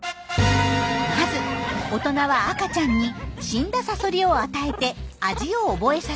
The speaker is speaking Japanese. まず大人は赤ちゃんに死んだサソリを与えて味を覚えさせます。